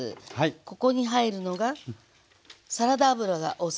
ここに入るのがサラダ油が大さじ１杯。